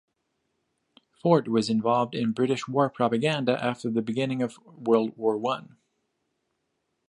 Ford was involved in British war propaganda after the beginning of World War One.